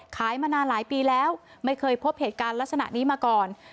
มานานหลายปีแล้วไม่เคยพบเหตุการณ์ลักษณะนี้มาก่อน